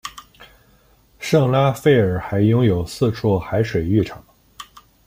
圣拉斐尔还拥有四处海水浴场。